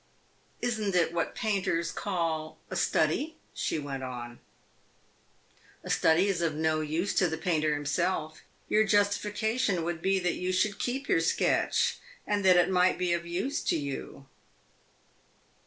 "Is n't it what painters call a study?" she went on. "A study is of use to the painter himself. Your justification would be that you should keep your sketch, and that it might be of use to you."